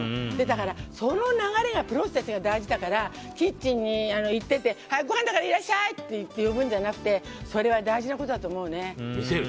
その流れが大事だからキッチンに行っててごはんだからいらっしゃい！って言って呼ぶんじゃなくてそれは大事なことだと思うね。